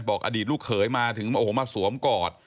มาถูกเขยมาถึงมาสวมกอด